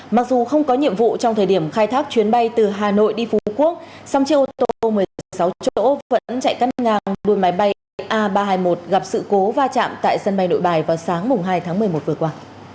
mặc dù không có nhiệm vụ trong thời điểm khai thác chuyến bay từ hà nội đi phú quốc song chiếc ô tô một mươi sáu chỗ vẫn chạy cắt ngang đuôi máy bay sa ba trăm hai mươi một gặp sự cố va chạm tại sân bay nội bài vào sáng hai tháng một mươi một vừa qua